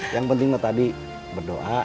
yang pentinglah tadi berdoa